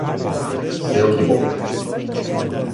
Seo Ki-bok